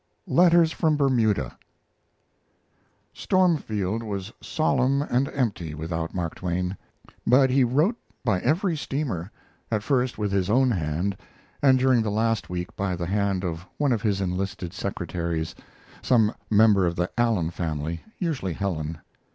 LETTERS FROM BERMUDA Stormfield was solemn and empty without Mark Twain; but he wrote by every steamer, at first with his own hand, and during the last week by the hand of one of his enlisted secretaries some member of the Allen family usually Helen.